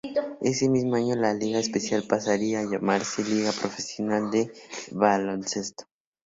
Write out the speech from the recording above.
Ese mismo año, la Liga Especial pasaría a llamarse Liga Profesional de Baloncesto.